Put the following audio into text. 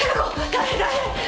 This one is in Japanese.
大変大変。